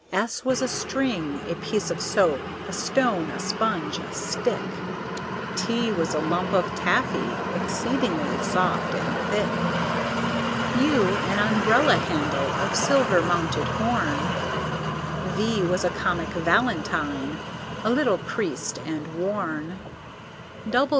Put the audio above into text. S was a String, a piece of Soap, a Stone, a Sponge, a Stick; T was a lump of Taffy, exceeding soft and thick. U, an Umbrella handle, of silver mounted horn; V was a comic Valentine, a little creased and worn.